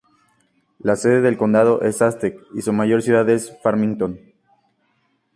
La sede del condado es Aztec, y su mayor ciudad es Farmington.